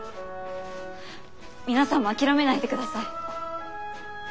皆さんも諦めないでください。